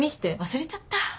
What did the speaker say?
忘れちゃった。